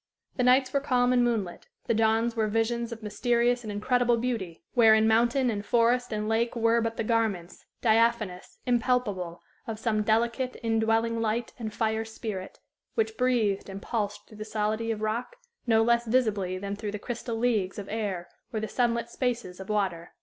The nights were calm and moonlit; the dawns were visions of mysterious and incredible beauty, wherein mountain and forest and lake were but the garments, diaphanous, impalpable, of some delicate, indwelling light and fire spirit, which breathed and pulsed through the solidity of rock, no less visibly than through the crystal leagues of air or the sunlit spaces of water.